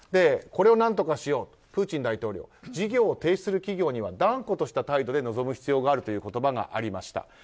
これを何とかしようとプーチン大統領事業を停止する企業には断固とした態度で臨む必要があるという言葉がありました。